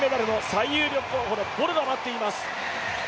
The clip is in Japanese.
最有力のボルが待っています。